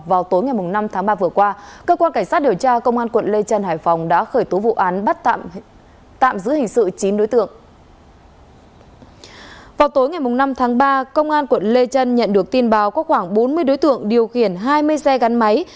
vào tối ngày năm tháng ba công an quận lê trân nhận được tin báo có khoảng bốn mươi đối tượng điều khiển hai mươi xe gắn máy